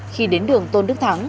khi đến đường tôn đức thắng